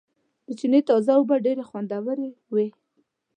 د چينې تازه اوبه ډېرې خوندورېوي